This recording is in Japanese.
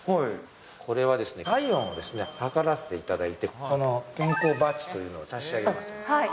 これは体温を測らせていただいて、この健康バッジというのを差し上げています。